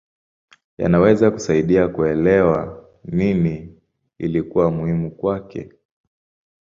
Yanaweza kusaidia kuelewa nini ilikuwa muhimu kwake.